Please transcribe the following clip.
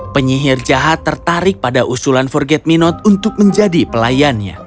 penyihir jahat tertarik pada usulan forget me not untuk menjadi pelayannya